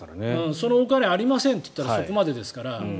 そのお金ありませんと言ったらそこまでですから。